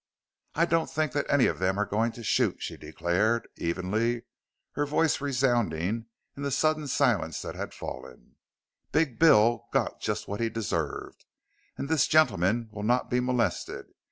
"I don't think that any of them are going to shoot," she declared evenly, her voice resounding in the sudden silence that had fallen; "Big Bill got just what he deserved, and this gentleman will not be molested.